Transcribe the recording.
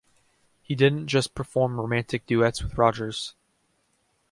He didn't just perform romantic duets with Rogers.